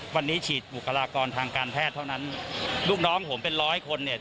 วันนี้ฉีดบุคลากรทางการแพทย์เท่านั้นลูกน้องผมเป็นร้อยคนเนี่ย